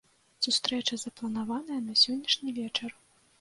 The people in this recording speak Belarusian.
Сустрэча запланаваная на сённяшні вечар.